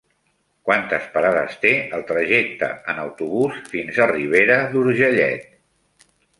Quantes parades té el trajecte en autobús fins a Ribera d'Urgellet?